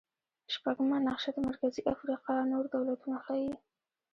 شپږمه نقشه د مرکزي افریقا نور دولتونه ښيي.